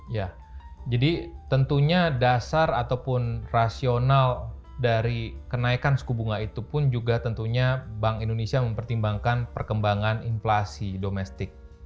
ya jadi tentunya dasar ataupun rasional dari kenaikan suku bunga itu pun juga tentunya bank indonesia mempertimbangkan perkembangan inflasi domestik